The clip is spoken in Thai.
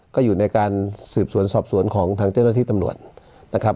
ก็อยู่ในการสืบสวนสอบสวนของทางเจ้าหน้าที่ตำรวจนะครับ